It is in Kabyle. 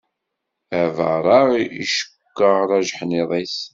Abaṛeɣ icekkeṛ ajeḥniḍ-is.